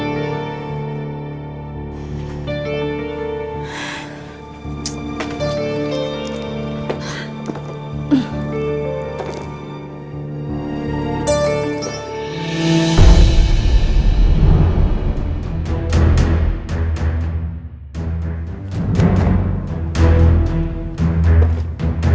rantakan banget sih kamarnya